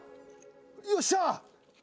よっしゃ！